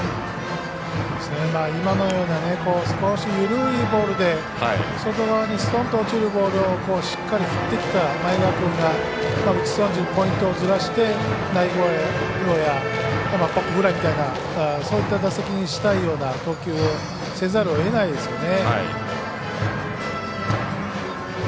今のような少し緩いボールで外側にすとんと落ちるボールをしっかり振ってきた前川君が打ち損じるポイントをずらして内野ゴロやバックフライみたいなそういった打席にしたいような投球をせざるをえないでしょうね。